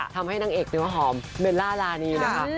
ทำให้นางเอกเนื้อหอมเบลล่ารานีนะคะ